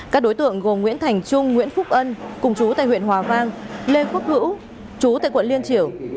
các đối tượng gồm nguyễn thành trung nguyễn phúc ân cùng chú tại huyện hòa vang lê quốc hữu chú tại quận liên triểu